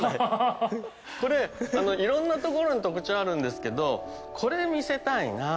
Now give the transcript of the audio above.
これいろんなところに特徴あるんですけどこれ見せたいな。